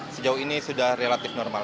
sejauh ini sudah relatif normal